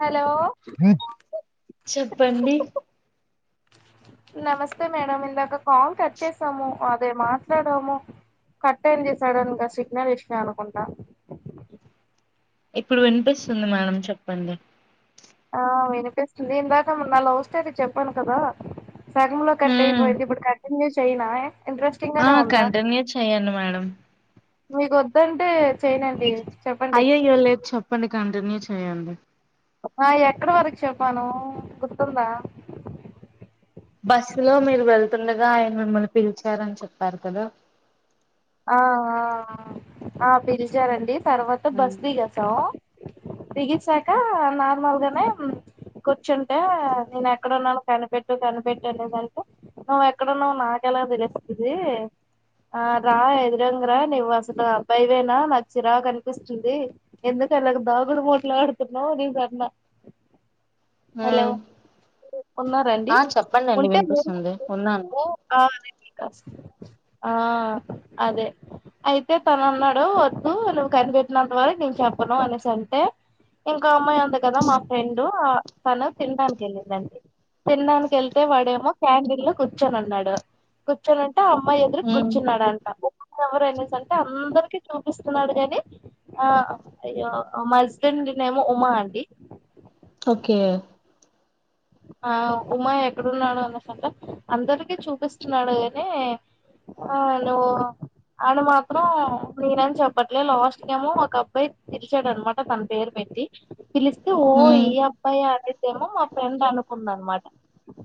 Hello చెప్పండి నమస్తే madam ఇందాక కాల్ కట్ చేశాము అదే మాట్లాడము కట్ట్ అయ్యింది సడన్ గా సిగ్నల్ ఇచ్చినా అనుకుంటా ఇప్పుడు వినిపిస్తుంది మేడం చెప్పండి ఆ వినిపిస్తుంది ఇందాక నా లవ్ స్టోరీ చెప్పాను కదా సగంలో కట్ హ్మ్ అయిపోయింది ఇప్పుడు కంటిన్యూ చేయనా ఇంట్రెస్టింగ్ ఆ గానే ఉందా కంటిన్యూ చెయ్యండి మేడం మీకు వద్దంటే చెయనండి అయ్యయ్యో లేదు చెప్పండి కంటిన్యూ చెయండి ఆ ఎక్కడ వరకు చెప్పాను గుర్తుందా బస్సులో మీరు వెళ్తుండగా ఆయన మిమ్మల్ని పిలిచారని చెప్పారు కదా ఆ ఆ ఆ పిలిచారండి తర్వాత హ్మ్ బస్ దిగేశాము దిగేశాక నార్మల్గానే కూర్చుంటే నేను ఎక్కడ ఉన్నాను కనిపెట్టు కనిపెట్టు అనేదంటే నువ్ ఎక్కడున్నావో నాకెలా తెలుస్తది ఆ రా ఎదురుంగా రా నీవు అసలు [unintelligible] నాకు చిరాకు అనిపిస్తుంది ఎందుకలాగ దాగుడుమూతలు ఆడుతున్నావ్ అనేసి అన్నా హ ఉన్నారాండి ఉంటే మీరు వినిపిస్తుంది ఉన్నాను ఆ అదే అయితే తను అన్నాడు వద్దు నువ్వు కనిపెట్టినంత వరకు నేను చెప్పను అనేసి అంటే ఇంకా అమ్మాయి ఉంది కదా మా ఫ్రెండ్ తను తినడానికి వెళ్ళిందండి తినడానికి ఎళ్తే వాడేమో క్యాంటీన్ లో కూర్చొని ఉన్నాడు కూర్చొని ఉం టే అమ్మాయి ఎదురు హ్మ్ కూర్చున్నాడంట ఎవరనేసి అంటే అందరికీ చూపిస్తున్నాడు గాని ఆ అయ్యో మా హస్బెండ్ నేమ్ ఉమా అండి ఓకే ఆ ఉమా ఎక్కడున్నాడు అనేసి సంటే అందరికీ చూపిస్తున్నాడు కని ఆ నువ్వు అని మాత్రం నేనని చెప్పట్లే లాస్ట్ కేమో ఒక అబ్బాయి పిలిచాడన్నమాట తన పేరు పె ట్టి పిలిస్తే ఓ హ్మ్ ఈ అబ్బాయా అనేసి ఏమో మా ఫ్రెండ్ అనుకుందన్నమాట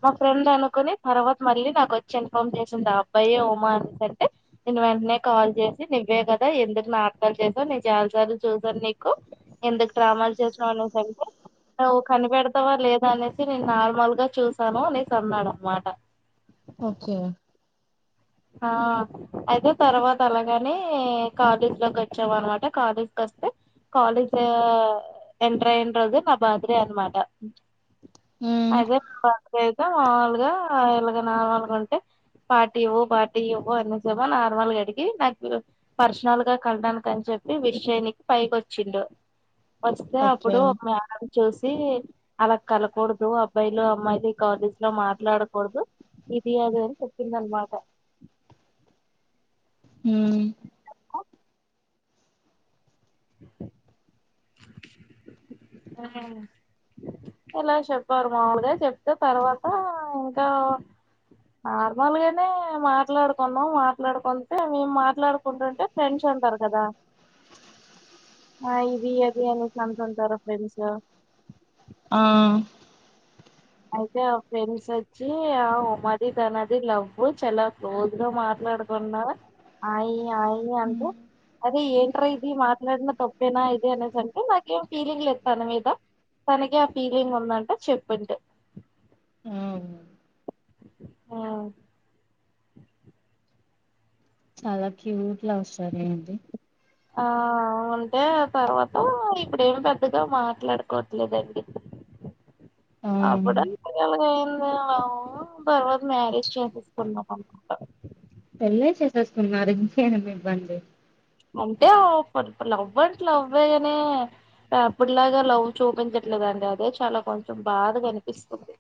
మా ఫ్రెండ్ అనుకుని తర్వాత మళ్ళీ నాకు వచ్చి ఇన్ఫామ్ చేసింది ఆ అబ్బాయే ఉమా అనేసి అంటే నేను వెంటనే కాల్ చేసి నువ్వే కదా ఎందుకు నాటకాలు చేశావ్ నేను చాలాసార్లు చూశాను నీకు ఎం దుకు డ్రామాలు చేసినవ్ అనేసి అంటే నువ్వు కనిపెడతావా లే దా అనేసి నేను నార్మల్ గా చూశాను అనేసి అన్నాడు అనమాట ఓకే ఆ అయితే తర్వాత అలాగానే కాలేజ్ లోకి వచ్చాం అనమాట కాలేజ్ వ కాలేజ్ ఎంటర్ అయిన రోజు నా బర్త్డే అనమాట హ్మ్ అదే అయితే మాములుగ ఎలాగ నా వాళ్ళు అయితే పార్టీ ఇవ్వు పార్టీ ఇవ్వు అన్ని సెమో నార్మల్గా అడిగి నాకు పర్సనల్ గా కళడానికిని చెప్పి విష్ చెయ్యనీకి పైకి వచ్చిండు వస్తే అప్పుడు ఓకే ఒక మేడమ్ చూసి అలా కలవకూడదు అబ్బాయిలు అమ్మాయితో ఈ కాలేజ్ లో మాట్లాడకూడదు ఇది అది అని చెప్పిందన్న మాట హ్మ్మ్ అ కే హే ఇలా చెప్పారు మాములుగా చెప్తే తర్వాత ఇంకా నార్మల్గానే మాట్లాడుకున్నాం మాట్లాడుకుంటే మేము మాట్లాడుకుంటుంటే ఫ్రెండ్స్ ఉంటారు కదా ఇది అది అని చమ్తుంటారు లేడీస్ ఆ ఆమ్ అయితే ఒక ఫ్రెండ్స్ వచ్చి ఆ మాది తన ది లవ్ చాలా క్లోజ్ గా మ మాట్లాడుతున్నా ఆయి ఆయి హ్మ్ అంటూ అదే ఏంటరా ఇది మాట్లాడిన తప్పేనా ఇది అనేది అంటే నాకేం ఫీలింగ్ లేదు తన మీద తనకి ఆ ఫీలింగ్ ఉందంటే చెప్పంటె ఆ ఆ చాలా క్యూట్ లవ్ స్టోరీ అండి ఆ ఉంటే ఆ తర్వాత ఇప్పుడేం పెద్దగా మాట్లాడుకోవట్లేదండి ఆప్పుడ ఆ తర్వాత మ్యారేజ్ చేసేసుకున్నాం అనమాట పెళ్ళ చేసేసుకున్నారు ఇంకేం ఇబ్బంది అంటే ఇప్పుడు లవ్ అంటే లవ్వే గానీ అప్పుటిలాగా లవ్ చూపించట్లేదండి అదే చాలా కొంచెం బాధ కనిపిస్తుంది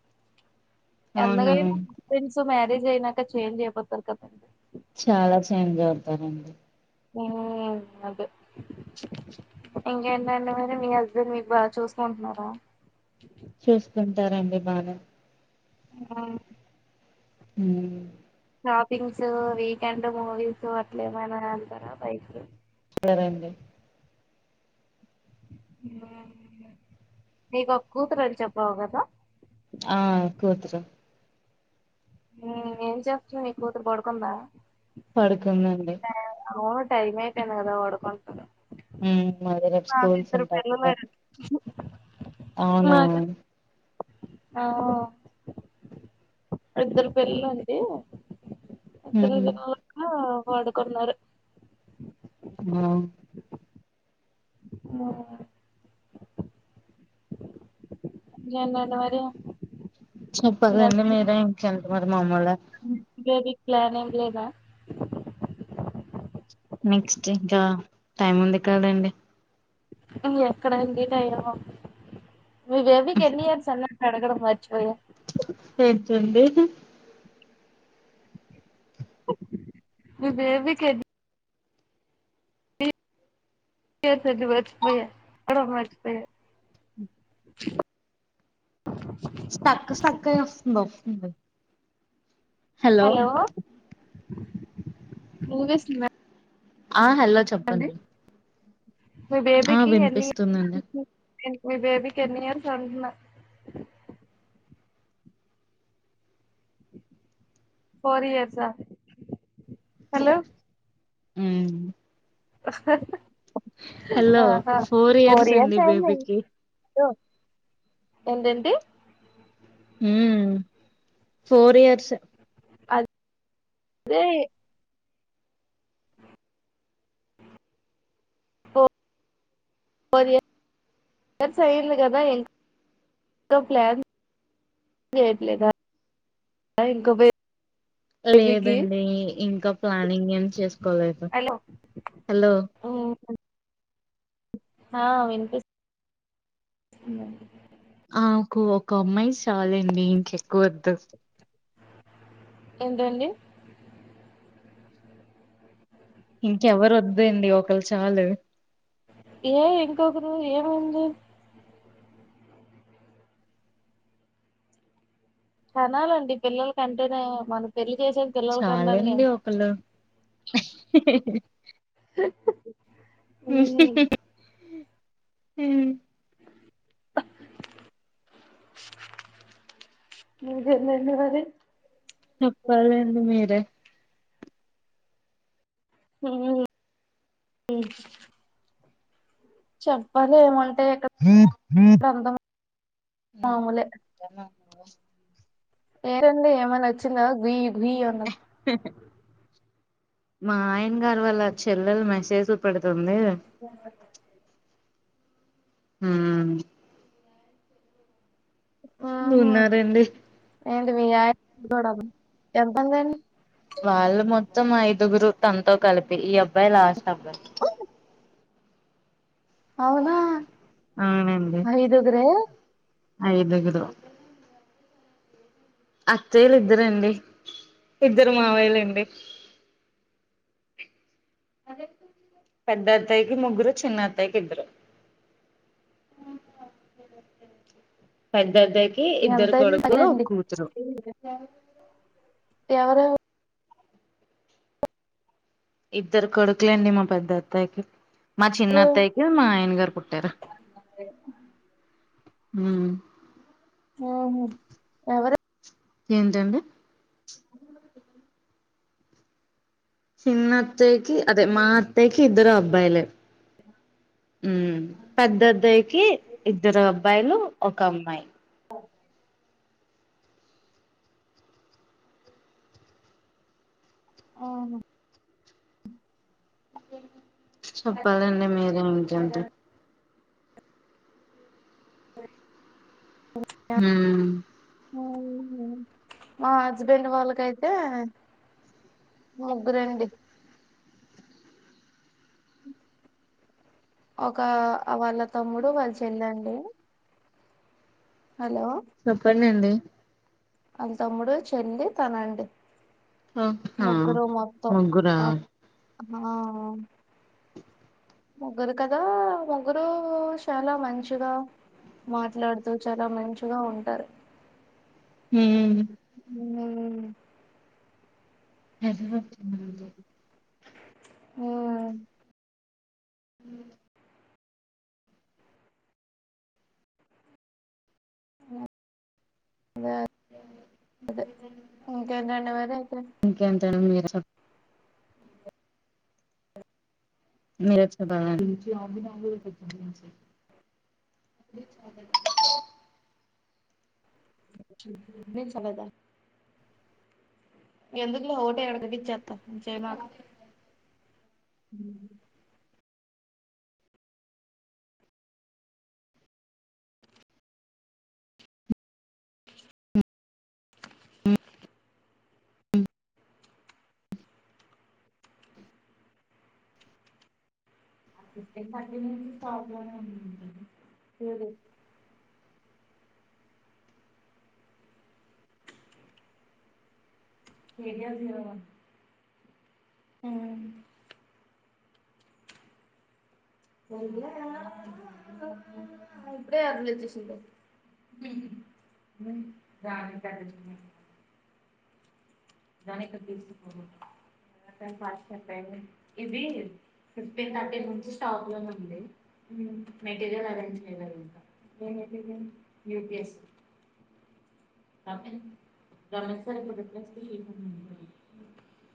అవునవును [unintelligible] ఫ్రెండ్స్ మ్యారేజ్ అయినాక చేంజ్ అయిపోతారుగా చాలా చేంజ్ అవుతారండి హ అదే ఇంకేంటండి మరి మీ హస్బెండ్ మీకు బాగా చూసుంటున్నారా చూసుకుంటారంండి బానే ఆ ఉమ్ షాపింగ్స్, వీకెండ్ మూవీస్ అట్ల ఏమైనా రాళతారా బయటికి మళ్ళా రాంగే ఊహ నీకో కూతురని చెప్పావ్ కదా ఆ కూతురు ఊ ఏం చేస్తన్నావ్ నీ కూతురు పడుకుందా? పడుకున్నండి టైమె కదా ర వాడు పడుకొనేది మరి రేపు నాకు స్కూల్స్ ఇద్దరు ఉంటాయి పిల్లలు కదా అం అవునా ఆ ఇద్దరు పిల్లలు అండి ఉమ్ [unintelligible] పడుకున్నారు బ బావుంది ఇంకేంటండి మరి మీ చెప్పలండి హస్బెండ్ మీరే ఇంకెంటి మరి మాములె ఇంకేంటి ప్లాన్ ఏమి లేదా? నెక్స్ట్ ఇంకా టైం ఉంది కదండి. ఎక్కడండి టైమ్ మీ బేబీకి ఎన్ని ఇయర్స్ అన్నట్టు అడగడం మరి ఏటండిహి మీ బేబికి ఏ ఏజ్ అండి మర్చిపోయా, ఎక్కడో మర్చిపోయా స్టక్ స్టక్ అని వస్తుందు హలో వినిపిస్తుంద ఆ హలో చెప్పండి మీ ఆ బేబేకి ఎన్ని వినిపిస్తుందండి ఇయ నేను బేబీ ఎన్ని ఇయర్స్ అంటున్న ఫోర్ ఇయర్స హలో ఉమ్ అహ్హ్ హలో ఆహా ఫోర్ అండి ఇయర్స్ అయింది బేబీకి లో ఏంటండీ హూమ్ ఫోర్ ఇయర్సె అద్ దే ఫోర్ ఇయర్స్ అయింది కదా ఇంకా ప్లాన్ ఏమీలేదా ఇంకో బే లేదండి ఇంకా ప్లానింగ్ ఏం చేసుకోలేదు. హలో హలో హా వినిపి ఇంకేంటి మాకు ఒక అమ్మాయి సాలండి ఇంకెక్కువ వద్దు. ఏంటండి ఇంకెవరు వద్దండి ఒకలు చాలు. ఏ ఇంకొకరు ఏమైంది కనాలండి పిల్లల కంటేనే మన పెళ్ళి చేసేది పిల్లల కనడానికే చాలండి ఒకళ్ళు హ ఉహుహు హు అహ్ ఇంకేంటండి మరి చెప్పాలండి మీరే హూమ్ హు చెప్పలేము హు తి [inaudible] మామూలే పేరండి ఏమన్నా వచ్చిందా గుయ్ గుయ్ అన్నది మా ఆయన గారు వల్ల చెల్లెలు మెసేజ్లు పెడతు ఏంది హూ ఉన్నారండి ఏంటిది [inaudible] ఏడ బంద్ అయింది వాళ్ళు మొత్తం ఐదుగురు తనతో కలిపి ఈ అబ్బాయి లాస్ట్ అబ్బాయి అవునా అవునండి ఐదుగురే ఐదుగురు అత్తయ్యలు ఇద్దరండి ఇద్దరు మావయ్యలండి సరే పెద్ద అత్తయ్యకి ముగ్గురు చిన్న అత్తయ్యకి ఇద్దరు [inaudible] పెద్ద అత్తయ్యక కి ఇద్దరు ఎంతైనా కొడుకులు ఒక తగ్గరండి కూతురు ఎవరెవరు ఇద్దరు కొడుకులు అండి మా పెద్ద అత్తయ్యకి మా చిన్న అత్తయ్యకి మా ఆయన గారు పుట్టారు హు ఆహా ఎవరు ఏంటండి చిన్న అత్తయ్యకి అదే మా అత్తయ్యకి ఇద్దరూ అబ్బాయిలే హు పెద్ద అద్దాయికి ఇద్దరు అబ్బాయిలు ఒక అమ్మాయి అవును చెప్పాలండి మీరే ఇంకెంటీ [inaudible] హు అవునా మా హస్బెండ్ వాళ్ళకైతే ముగ్గురండి ఒక వాళ్ళ తమ్ముడు వాళ్ళు చెల్లండి హలో చెప్పండండి వాళ్ళ తమ్ముడు చెల్లె తనండి ఆ ఆ ముగ్గురు మొత్తం ముగ్గురా మా ఆ హ ముగ్గురు కదా ముగ్గురు చాలా మంచిగా మాట్లాడుతూ చాలా మంచిగా ఉంటారు హు హు [inaudible] ఓ హ [inaudible] [inaudible] వే అదే అ ఒకే అంట అండ మరి అయితే ఏ సాప్ [unintelligible] బీచ్ కు రమ్మంటే మీ చాలదా ఎందుకులో హోట ఎడదది ఇచేస్తా పట్టించేదాకా ఉహు [inaudible] [inaudible] ఏడియా స ఉమ్ ఇప్పుడ ఆరు వచ్చేసింధ ఉమ్ [inaudible] ఇది ఫిఫ్టీన్ థర్టీ నుంచి స్టాక్ లోనే ఉంది మెటీరియల్ అరేంజ్ చేయ్యలేదు ఇంగ ఏ material U P S C రమ రమ సర [inaudible]